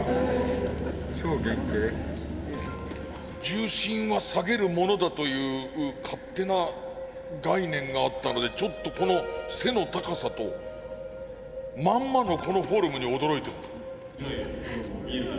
重心は下げるものだという勝手な概念があったのでちょっとこの背の高さとまんまのこのフォルムに驚いてる。